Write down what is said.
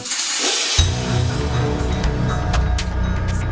pertanyaan dari jenderal pertanian penguasa tapra